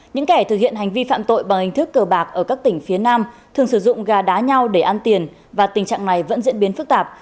những kẻ thực hiện hành vi phạm tội bằng hình thức cờ bạc ở các tỉnh phía nam thường sử dụng gà đá nhau để ăn tiền và tình trạng này vẫn diễn biến phức tạp